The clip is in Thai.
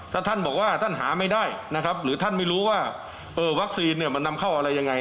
ถ้าท่านบอกว่าท่านหาไม่ได้นะครับหรือท่านไม่รู้ว่าวัคซีนเนี่ยมันนำเข้าอะไรยังไง